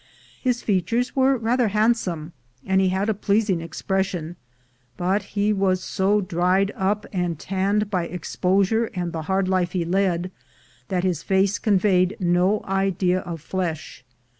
His features were rather handsome, and he had a pleasing expression; but he was so dried up and tanned by exposure and the hard life he led, that his face conveyed no idea of flesh.